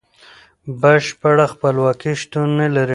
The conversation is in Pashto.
بشپړه خپلواکي شتون نلري.